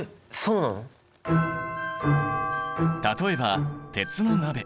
例えば鉄の鍋。